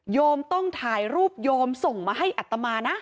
โมต้องถ่ายรูปโยมส่งมาให้อัตมานะ